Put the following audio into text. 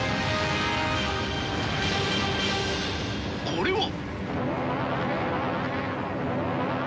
これは。